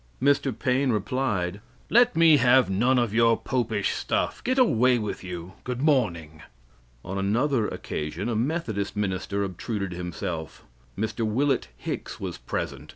Mr. Paine replied: "Let me have none of your popish stuff. Get away with you. Good morning." On another occasion a Methodist minister obtruded himself. Mr. Willet Hicks was present.